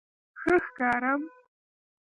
_ښه ښکارم؟